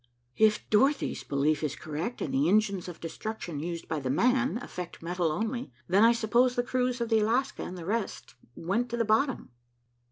"If Dorothy's belief is correct, and the engines of destruction used by 'the man' affect metal only, then I suppose the crews of the Alaska and the rest went to the bottom."